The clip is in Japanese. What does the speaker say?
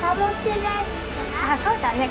そうだね